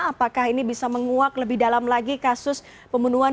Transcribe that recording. apakah ini bisa menguak lebih dalam lagi kasus pembunuhan